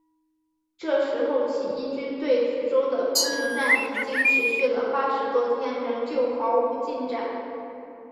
这时候起义军对梓州的攻城战已经持续了八十多天仍旧毫无进展。